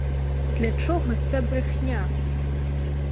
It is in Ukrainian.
Для чого ця брехня?